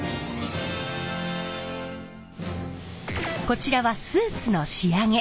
こちらはスーツの仕上げ。